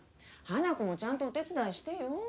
華子もちゃんとお手伝いしてよ？